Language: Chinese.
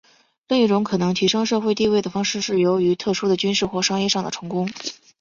另一种可能提升社会地位的方式是由于特殊的军事或商业上的成功。